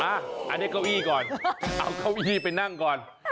อันนี้เก้าอี้ก่อนเอาเก้าอี้ไปนั่งก่อน